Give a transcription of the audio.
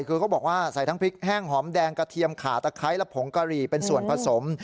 คือเขาบอกว่าใส่ทั้งพริกแห้งหอมแดงกระเทียมขาตะไคร้และผงกะหรี่เป็นส่วนผสม